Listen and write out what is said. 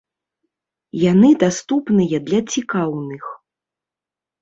Яны даступныя для цікаўных.